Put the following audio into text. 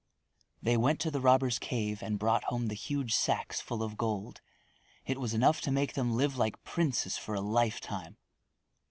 They went to the robbers' cave and brought home the huge sacks full of gold. It was enough to make them live like princes for a lifetime.